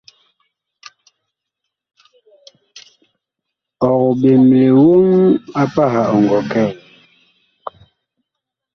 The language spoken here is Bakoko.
Ɔg ɓemle woŋ pah ɔ ngɔ kɛ?